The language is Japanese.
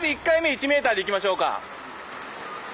１メーターでいきましょうか。